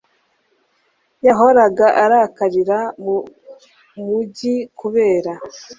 Yahoraga arakarira mumujyi kubera